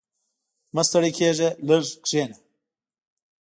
• مه ستړی کېږه، لږ کښېنه.